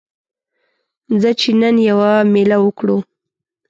ځه چې نن یوه میله وکړو